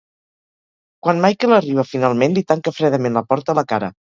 Quan Michael arriba finalment, li tanca fredament la porta a la cara.